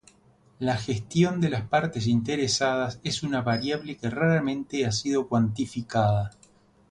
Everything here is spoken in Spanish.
La gestión de las partes interesadas es una variable que raramente ha sido cuantificada.